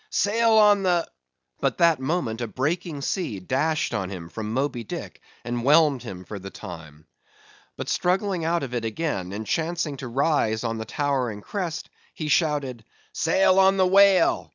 —"Sail on the"—but that moment a breaking sea dashed on him from Moby Dick, and whelmed him for the time. But struggling out of it again, and chancing to rise on a towering crest, he shouted,—"Sail on the whale!